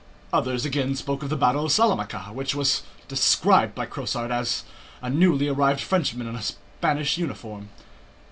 Others again spoke of the battle of Salamanca, which was described by Crosart, a newly arrived Frenchman in a Spanish uniform.